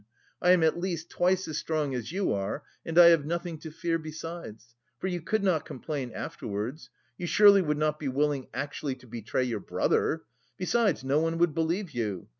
I am at least twice as strong as you are and I have nothing to fear, besides. For you could not complain afterwards. You surely would not be willing actually to betray your brother? Besides, no one would believe you.